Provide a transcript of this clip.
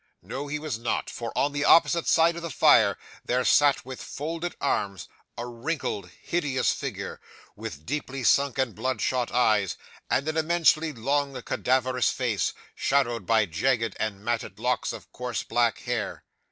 'No, he was not; for, on the opposite side of the fire, there sat with folded arms a wrinkled hideous figure, with deeply sunk and bloodshot eyes, and an immensely long cadaverous face, shadowed by jagged and matted locks of coarse black hair.